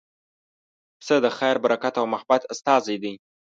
پسه د خیر، برکت او محبت استازی دی.